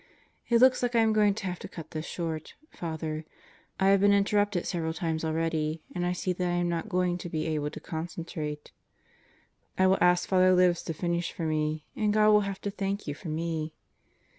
It looks like I am going to have to cut this short, Fr. I have been interrupted several times already and I see that I am not going to [be] able to concentrate. I will ask Fr. Libs to finish for me, and God will have to thank you for me.